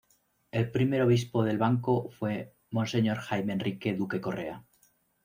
El primer Obispo de El Banco fue Monseñor Jaime Enrique Duque Correa.